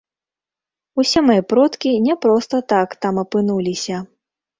Усе мае продкі не проста так там апынуліся.